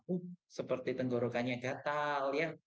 uh seperti tenggorokannya gatel ya